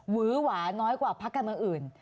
วื้อหวาน้อยกว่าพักการเมืองอื่น